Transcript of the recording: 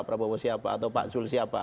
prabowo siapa atau pak zul siapa